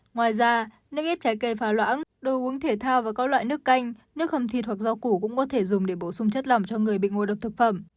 ngoài ra nước ít trái cây pha loãng đồ uống thể thao và các loại nước canh nước hầm thịt hoặc rau củ cũng có thể dùng để bổ sung chất lòng cho người bị ngộ độc thực phẩm